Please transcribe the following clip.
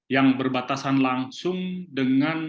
yang berbatasan langsung dengan